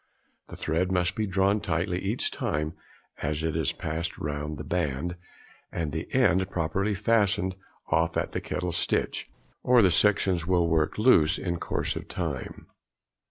The thread must be drawn tightly each time it is passed round the band, and at the end properly fastened off at the kettle stitch, or the sections will work loose in course of time.